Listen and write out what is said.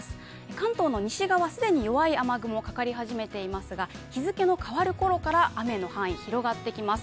関東の西側、既に弱い雨雲かかり始めていますが日付の変わるころから雨の範囲、広がってきます。